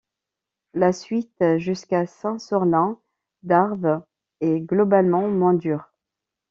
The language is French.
La suite jusqu’à Saint-Sorlin-d'Arves est globalement moins dure.